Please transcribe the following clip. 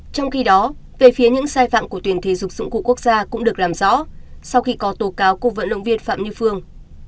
trong khi đó về phía những sai phạm của tuyển thể dục dụng cụ quốc gia cũng được làm rõ sau khi có tố cáo của vận động viên phạm như phương